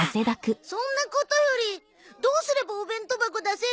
そんなことよりどうすればお弁当箱出せる？